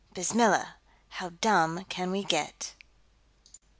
Bismillah! How Dumb Can We Get?